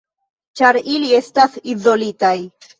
Ĉar ili estas izolitaj.